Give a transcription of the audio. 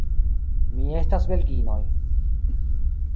Mi estas belginoj.